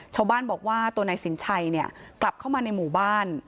ชาวบ้านบอกว่าตัวนายสินชัยเนี่ยกลับเข้ามาในหมู่บ้าน